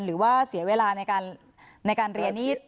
หรือว่าเสียเวลาในการเรียนนี่